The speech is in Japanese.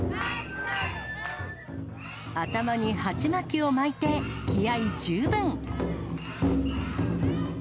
頭に鉢巻きを巻いて、気合十分。